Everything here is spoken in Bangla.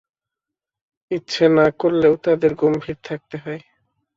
ইচ্ছে না-করলেও তাঁদের গম্ভীর থাকতে হয়।